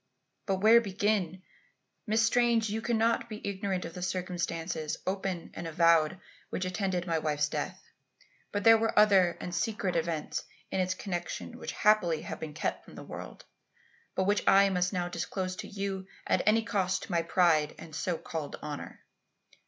But where begin? Miss Strange, you cannot be ignorant of the circumstances, open and avowed, which attended my wife's death. But there were other and secret events in its connection which happily have been kept from the world, but which I must now disclose to you at any cost to my pride and so called honour.